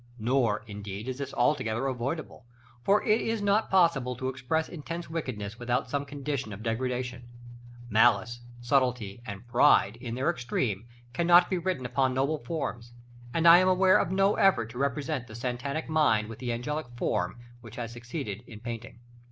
Nor, indeed, is this altogether avoidable, for it is not possible to express intense wickedness without some condition of degradation. Malice, subtlety, and pride, in their extreme, cannot be written upon noble forms; and I am aware of no effort to represent the Satanic mind in the angelic form, which has succeeded in painting.